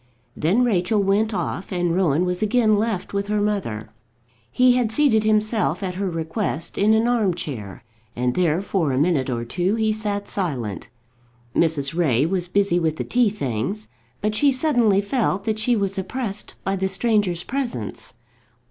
Then Rachel went off, and Rowan was again left with her mother. He had seated himself at her request in an arm chair, and there for a minute or two he sat silent. Mrs. Ray was busy with the tea things, but she suddenly felt that she was oppressed by the stranger's presence.